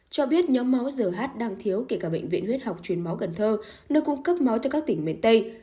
cho biết nhóm máu gh đang thiếu kể cả bệnh viện huyết học chuyển máu gần thơ nơi cung cấp máu cho các tỉnh miền tây